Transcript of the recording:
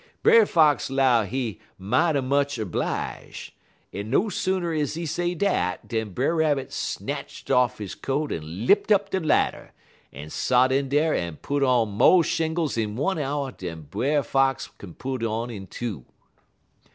"Brer Fox 'low he be mighty much erblige, en no sooner is he say dat dan Brer Rabbit snatched off he coat en lipt up de ladder, en sot in dar en put on mo' shingles in one hour dan Brer Fox kin put on in two.